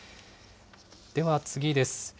では次です。